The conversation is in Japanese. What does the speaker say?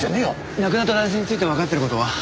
亡くなった男性についてわかってる事は？